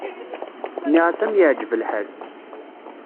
Nniɣ-as am yeɛǧeb lḥal.